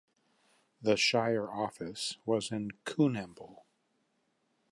The shire office was in Coonamble.